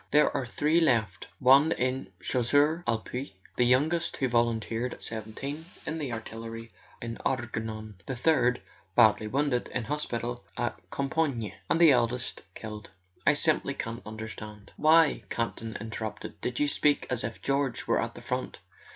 "There are three left: one in the Chasseurs ct Pied; the youngest, who volunteered at seventeen, in the artillery in the Argonne; the third, badly wounded, in hospital at Compiegne. And the eldest killed. I simply can't understand. .." "Why," Campton interrupted, "did you speak as if George were at the front?